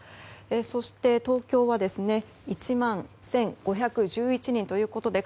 そして、東京は１万１５１１人ということで